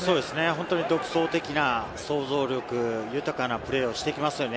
本当に独創的な想像力豊かなプレーをしていきますよね。